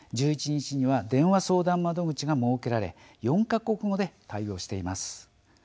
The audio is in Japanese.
１１日には電話相談窓口が設けられ４か国語で対応しています。